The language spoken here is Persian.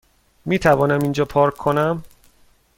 میتوانم اینجا پارک کنم؟